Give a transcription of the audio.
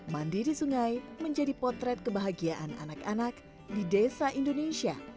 mandi di sungai menjadi potret kebahagiaan anak anak di desa indonesia